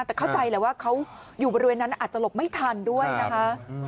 แต่เข้าใจแหละว่าเขาอยู่บริเวณนั้นอาจจะหลบไม่ทันด้วยนะคะ